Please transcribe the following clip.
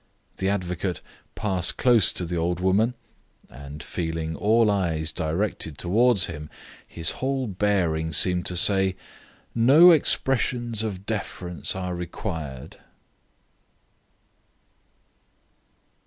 The advocate passed close to the old woman, and, feeling all eyes directed towards him, his whole bearing seemed to say: "No expressions of deference are required."